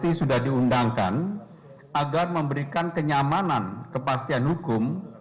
teks amnesti sudah diundangkan agar memberikan kenyamanan kepastian hukum